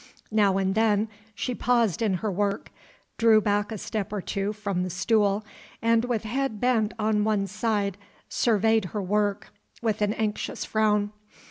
Now and then she paused in her work, drew back a step or two from the stool, and with head bent on one side surveyed her work with an anxious frown.